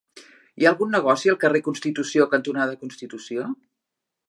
Hi ha algun negoci al carrer Constitució cantonada Constitució?